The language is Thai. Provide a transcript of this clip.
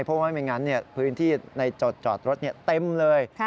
เพราะว่าไม่งั้นพื้นที่ในจดจอดรถเต็มเลย